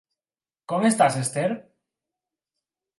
Com estàs, Esther?